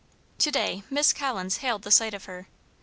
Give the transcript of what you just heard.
To day Miss Collins hailed the sight of her.